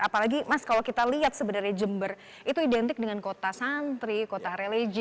apalagi mas kalau kita lihat sebenarnya jember itu identik dengan kota santri kota religi